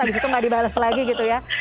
habis itu nggak dibalas lagi gitu ya